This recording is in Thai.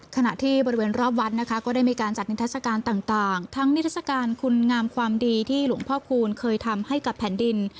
ขณะที่บริเวณรอบวัดนะคะก็ได้มีการจัดนิทัศกาลต่างทั้งนิทรศการคุณงามความดีที่หลวงพ่อคูณเคยทำให้กับแผ่นดิน